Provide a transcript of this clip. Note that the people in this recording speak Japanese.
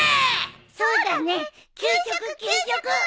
そうだね！給食給食！